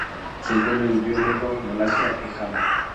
Se encuentra en el río Mekong, Malasia e Java.